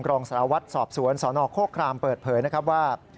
รองสารวัตรสอบสวนสนโครครามเปิดเผยนะครับว่า